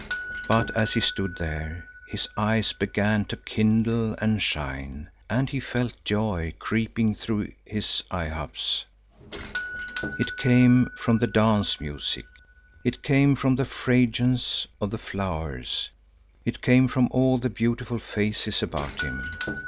But as he stood there, his eyes began to kindle and shine, and he felt joy creeping through his limbs. It came from the dance music; it came from the fragrance of the flowers; it came from all the beautiful faces about him.